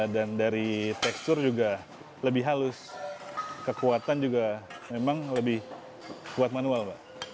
dan dari tekstur juga lebih halus kekuatan juga memang lebih kuat manual